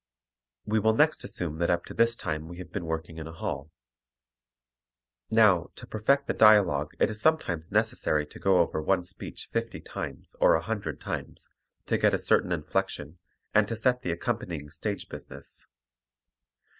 We will next assume that up to this time we have been working in a hall. Now to perfect the dialogue it is sometimes necessary to go over one speech fifty times or a hundred times, to get a certain inflection and to set the accompanying "stage business."